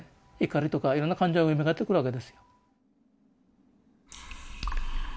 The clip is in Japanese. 怒りとかいろんな感情がよみがえってくるわけですよ。